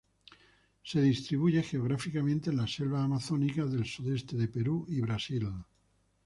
Se distribuye geográficamente en las selvas amazónicas del sudoeste de Perú y Brasil.